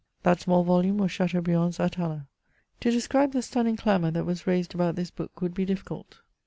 That small volume was Chateaubriand's Atala. To describe the stunning clamour that was raised about this book would be difficult.